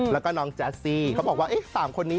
แล้วก็น้องแจสซี่เขาบอกว่า๓คนนี้